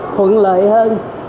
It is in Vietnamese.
thuận lợi hơn